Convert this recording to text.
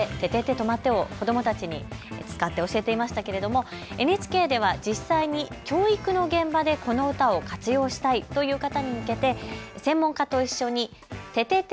とまって！を子どもたちに使って教えていましたけれどもＮＨＫでは実際に教育の現場でこの歌を活用したいという方に向けて専門家と一緒にててて！